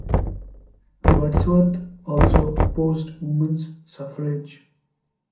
Wadsworth also opposed women's suffrage.